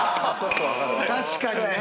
確かにね。